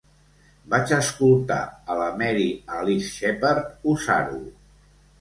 Vaig escoltar a la Mary Alice Sheppard usar-ho.